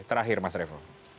terakhir mas revo